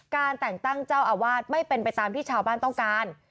แต่งตั้งเจ้าอาวาสไม่เป็นไปตามที่ชาวบ้านต้องการ